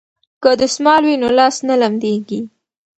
که دستمال وي نو لاس نه لمدیږي.